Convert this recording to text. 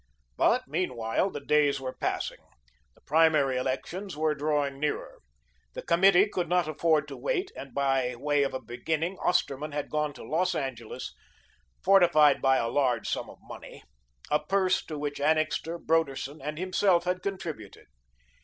But, meanwhile, the days were passing; the primary elections were drawing nearer. The committee could not afford to wait, and by way of a beginning, Osterman had gone to Los Angeles, fortified by a large sum of money a purse to which Annixter, Broderson and himself had contributed.